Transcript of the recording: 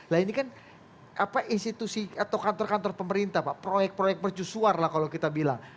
nah ini kan apa institusi atau kantor kantor pemerintah pak proyek proyek mercusuar lah kalau kita bilang